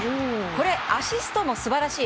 アシストも素晴らしい。